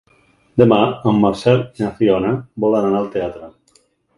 Demà en Marcel i na Fiona volen anar al teatre.